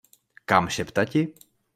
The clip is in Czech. Kam šeptati?